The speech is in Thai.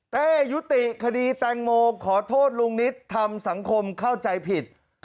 ยุติคดีแตงโมขอโทษลุงนิตทำสังคมเข้าใจผิด